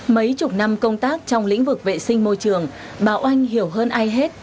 mấy chục năm công tác trong lĩnh vực vệ sinh môi trường bà oanh hiểu hơn ai hết